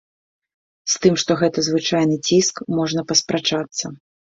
З тым, што гэта звычайны ціск, можна паспрачацца.